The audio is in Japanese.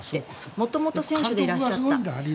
元々選手でいらっしゃった。